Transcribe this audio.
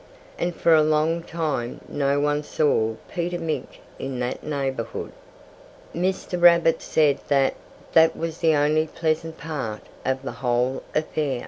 And for a long time no one saw Peter Mink in that neighborhood. Mr. Rabbit said that that was the only pleasant part of the whole affair.